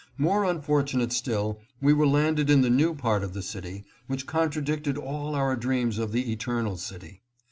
More unfortunate still, we were landed in the new part of the city, which contradicted all our dreams of the Eternal City.